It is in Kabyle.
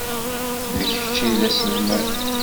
D kečč ay d aselmad.